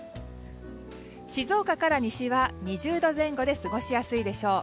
静岡から西は２０度前後で過ごしやすいでしょう。